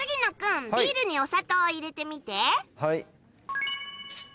はい。